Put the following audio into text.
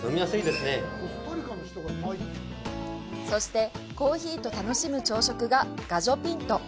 そして、コーヒーと楽しむ朝食がガジョ・ピント。